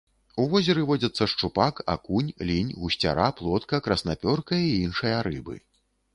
У возеры водзяцца шчупак, акунь, лінь, гусцяра, плотка, краснапёрка і іншыя рыбы.